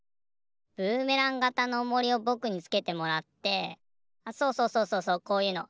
ブーメランがたのおもりをぼくにつけてもらってあっそうそうそうそうそうこういうの。